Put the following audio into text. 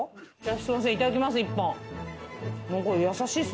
すいませんいただきます１本。